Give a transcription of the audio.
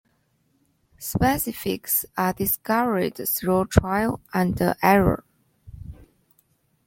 Specifics are discovered through trial and error.